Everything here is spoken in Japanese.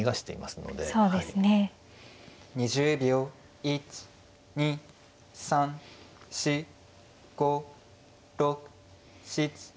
１２３４５６７８９。